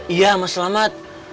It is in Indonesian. iya mas selamat